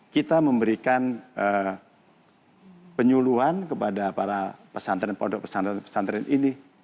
kita memberikan penyuluhan kepada para pesantren pondok pesantren pesantren ini